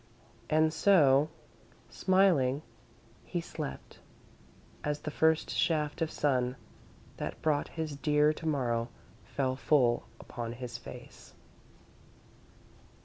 And so, smiling, he slept, as the first shaft of sun that brought his dear To Morrow fell full upon his face.